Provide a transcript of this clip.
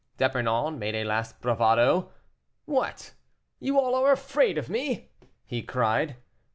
D'Epernon made a last bravado, "What! you are all afraid of me?" he cried.